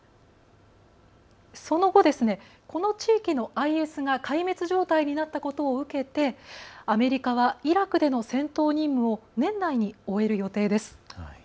その後、この地域のＩＳが壊滅状態になったことを受けてアメリカはイラクでの戦闘任務を年内に終える予定です。